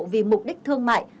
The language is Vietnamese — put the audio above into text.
vì mục đích thương mại